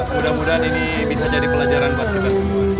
mudah mudahan ini bisa jadi pelajaran buat kita semua